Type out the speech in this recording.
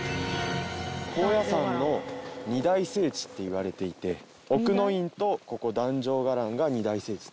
高野山の２大聖地っていわれていて奥之院とここ壇上伽藍が２大聖地って。